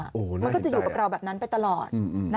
แล้วเขาก็จะอยู่เปล่าแบบนั้นไปตลอด